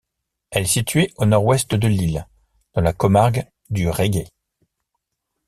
Elle est située au nord-ouest de l'île, dans la comarque du Raiguer.